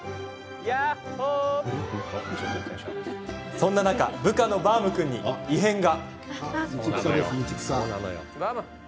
そんな中部下のバウム君に異変が。